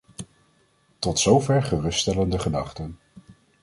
Tot zover geruststellende gedachten.